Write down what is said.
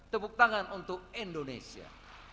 tepuk tangan untuk indonesia